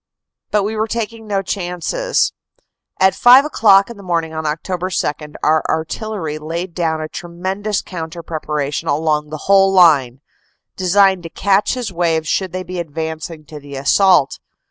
But we were taking no chances. At five o clock in the morning of Oct. 2 our artillery laid down a tremendous coun ter preparation along the whole line, designed to catch his waves should they be advancing to the assault.